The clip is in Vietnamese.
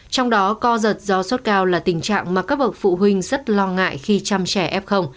trong đó co giật do sốt cao là tình trạng mà các bậc phụ huynh rất lo ngại khi chăm trẻ f